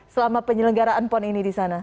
selama penyelenggaraan pon ini di sana